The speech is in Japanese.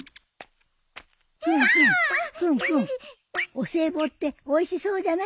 お歳暮っておいしそうだな。